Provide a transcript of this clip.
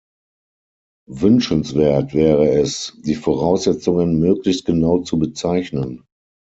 Wünschenswert wäre es, die Voraussetzungen möglichst genau zu bezeichnen.